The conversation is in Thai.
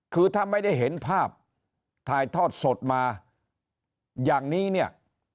คือถ้าไม่ได้เห็นภาพถ่ายทอดสดมาอย่างนี้เนี่ย